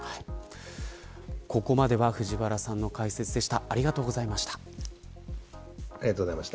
ここまでは藤原さんの解説でした。